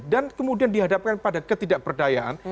dan kemudian dihadapkan pada ketidakberdayaan